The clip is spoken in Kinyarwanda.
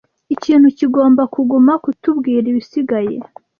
Ikintu kigomba kuguma kutubwira ibisigaye